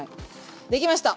できました。